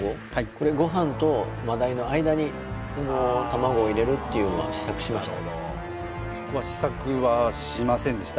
これご飯と真鯛の間に卵を入れるっていうのは試作しました？